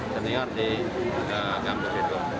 senior di kampus itu